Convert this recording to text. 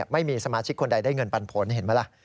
ไม่มีสมาชิกคนใดได้เงินปันผลเห็นไหมล่ะ